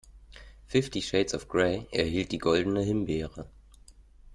Fifty Shades of Grey erhielt die Goldene Himbeere.